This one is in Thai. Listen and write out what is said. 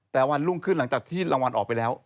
แต่วันรุ่งขึ้นหลังจากที่รางวัลออกไปแล้ว